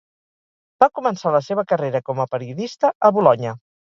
Va començar la seva carrera com a periodista a Bolonya.